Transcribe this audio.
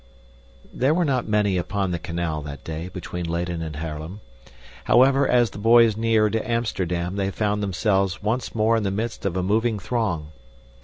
There were not many upon the canal that day, between Leyden and Haarlem. However, as the boys neared Amsterdam, they found themselves once more in the midst of a moving throng.